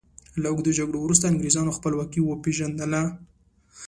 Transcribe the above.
له اوږدو جګړو وروسته انګریزانو خپلواکي وپيژندله.